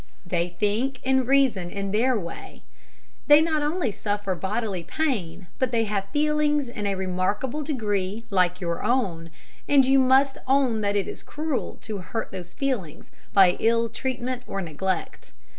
They think and reason in their way. They not only suffer bodily pain, but they have feelings in a remarkable degree like your own; and you must own that it is cruel to hurt those feelings by ill treatment or neglect.